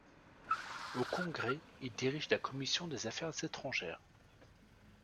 Au Congrès, il dirige la commission des Affaires étrangères.